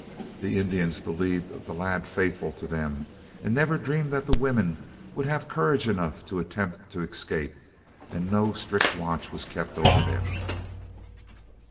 The Indians believed the lad faithful to them, and never dreamed that the women would have courage enough to attempt to escape, and no strict watch was kept over them.